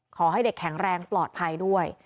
ขอให้เด็กแข็งแรงปลอดภัยด้วย